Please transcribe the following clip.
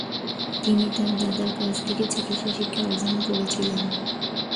তিনি তার দাদার কাছ থেকে চিকিৎসা শিক্ষা অর্জন করেছিলেন।